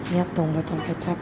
niat dong buat yang kecap